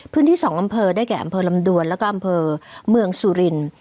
๒อำเภอได้แก่อำเภอลำดวนแล้วก็อำเภอเมืองสุรินทร์